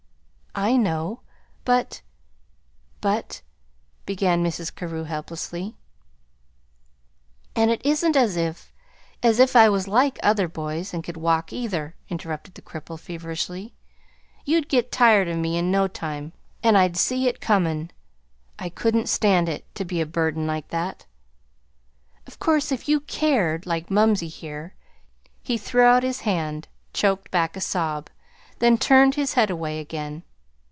"I know. But but " began Mrs. Carew, helplessly. "And it isn't as if as if I was like other boys, and could walk, either," interrupted the cripple, feverishly. "You'd get tired of me in no time. And I'd see it comin'. I couldn't stand it to be a burden like that. Of course, if you CARED like mumsey here " He threw out his hand, choked back a sob, then turned his head away again.